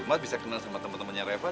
mas bisa kenal sama temen temennya reva